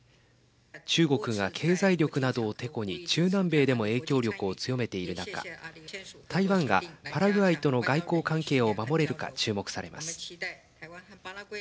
中国が経済力などをてこに中南米でも影響力を強めている中台湾がパラグアイとの外交関係を守れるか注目されます。